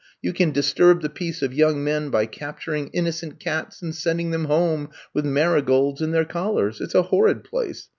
You can disturb the peace of young men by captur ing innocent cats and sending them home with marigolds in their collars. It ^s a horrid place.